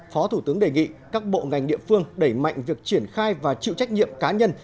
phó thủ tướng đề nghị các bộ ngành địa phương đẩy mạnh việc triển khai và chịu trách nhiệm cá nhân